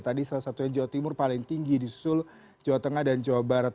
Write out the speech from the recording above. tadi salah satunya jawa timur paling tinggi di susul jawa tengah dan jawa barat